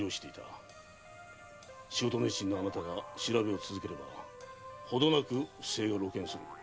仕事熱心なあなたが調べを続ければ程なく不正が露見する。